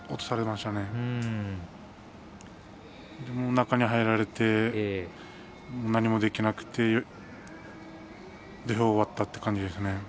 そして中に入られて何もできなくて土俵を割ったという感じですね。